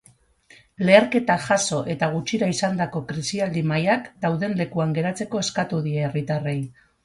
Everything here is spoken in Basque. Leherketak jazo eta gutxira izandako krisialdi mahaiak dauden lekuan geratzeko eskatu die herritarrei.